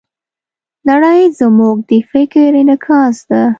نړۍ زموږ د فکر انعکاس ده.